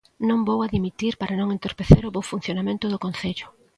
Non vou a dimitir para non entorpecer o bo funcionamento do concello.